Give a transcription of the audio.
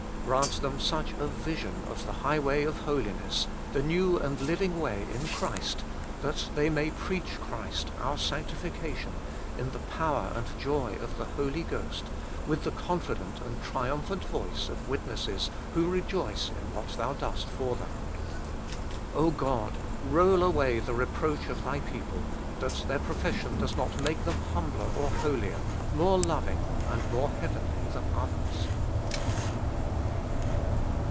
Grant them such a vision of the highway of holiness, the new and living way in Christ, that they may preach Christ our Sanctification in the power and the joy of the Holy Ghost, with the confident and triumph ant voice of witnesses who rejoice in what Thou dost for them. God ! roll away the reproach of Thy people, that their profession does not make them humbler or holier, more loving, and more heavenly than others.